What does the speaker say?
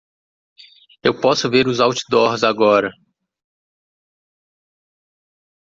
Eu posso ver os outdoors agora.